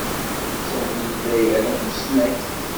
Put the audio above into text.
Sami yella ira tusnakt.